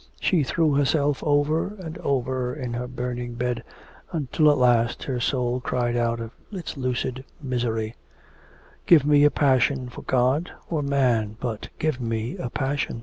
... She threw herself over and over in her burning bed until at last her soul cried out of its lucid misery: 'Give me a passion for God or man, but give me a passion.